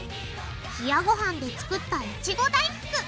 冷やごはんで作ったいちご大福。